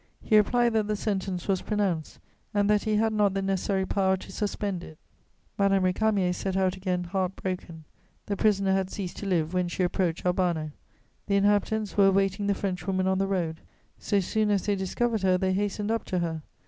He replied that the sentence was pronounced and that he had not the necessary power to suspend it. [Sidenote: The Albano fisherman.] Madame Récamier set out again heart broken; the prisoner had ceased to live when she approached Albano. The inhabitants were awaiting the Frenchwoman on the road; so soon as they discovered her, they hastened up to her.